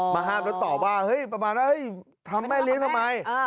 ห้ามแล้วตอบว่าเฮ้ยประมาณว่าเฮ้ยทำแม่เลี้ยงทำไม